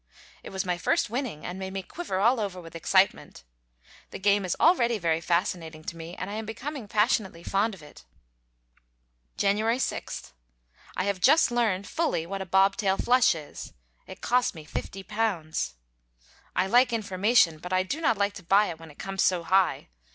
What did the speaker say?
It was my first winning, and made me quiver all over with excitement. The game is already very fascinating to me, and I am becoming passionately fond of it. January 6. I have just learned fully what a bob tail flush is. It cost me £50. I like information, but I do not like to buy it when it comes so high.